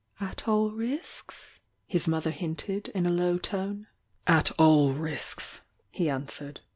"At all risks?" his mother hmted, m a low tone. "At ^ r7S" he answered.